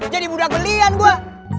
jadi budak belian gue